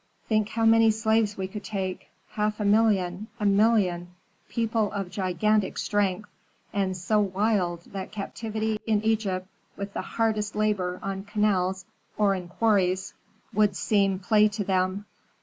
Think how many slaves we could take, half a million a million, people of gigantic strength, and so wild that captivity in Egypt with the hardest labor on canals or in quarries would seem play to them.